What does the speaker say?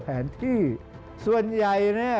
แผนที่ส่วนใหญ่เนี่ย